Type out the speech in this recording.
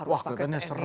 wah kayaknya serem